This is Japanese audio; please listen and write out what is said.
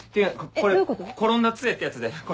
これ「転んだ杖」ってやつで。